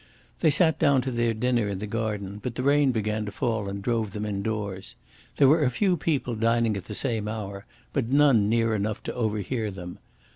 They sat down to their dinner in the garden, but the rain began to fall and drove them indoors. There were a few people dining at the same hour, but none near enough to overhear them.